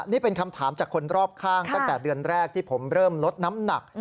นี่เป็นคำถามจากคนรอบข้างตั้งแต่เดือนแรกที่ผมเริ่มลดน้ำหนัก